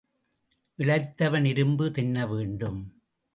இளைத்தவன் இரும்பு தின்ன வேண்டும்.